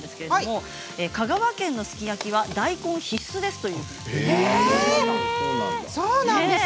香川県のすき焼きは大根が必須ですということです。